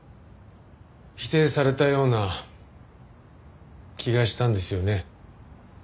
否定されたような気がしたんですよね